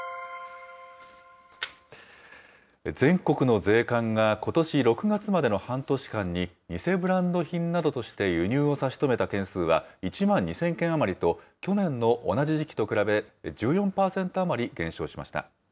全国の税関がことし６月までの半年間に、偽ブランド品などとして輸入を差し止めた件数は１万２０００件余りと、去年の同じ時期と比べ、１４％余り減少しました。